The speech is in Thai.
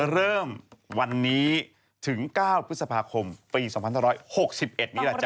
เริ่มวันนี้ถึง๙พฤษภาคมปี๒๕๖๑นี้แหละจ๊